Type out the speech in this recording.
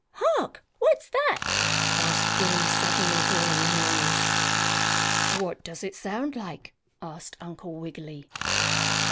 "Hark! What's that?" asked Billie, suddenly, hearing a noise. "What does it sound like?" asked Uncle Wiggily.